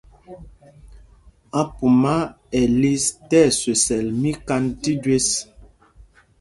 Ápumá ɛ liš tí ɛswesɛl míkand tí jüés.